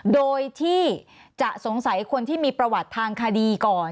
โดยที่จะสงสัยคนที่มีประวัติทางคดีก่อน